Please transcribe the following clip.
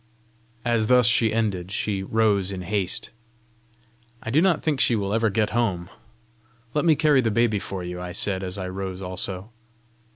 As thus she ended, she rose in haste. "I do not think she will ever get home. Let me carry the baby for you!" I said, as I rose also.